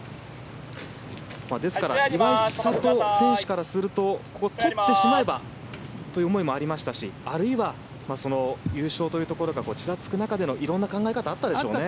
ですから岩井千怜選手からするとここ、取ってしまえばという思いもありましたしあるいは優勝というところがちらつく中での色んな考え方があったでしょうね。